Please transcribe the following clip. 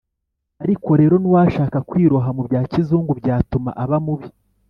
ariko rero n’uwashaka kwiroha mu bya kizungu byatuma aba mubi